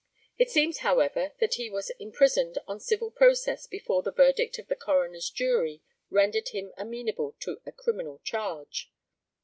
It seems, however, that he was imprisoned on civil process before the verdict of the coroner's jury rendered him amenable to a criminal charge.